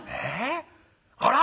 あら？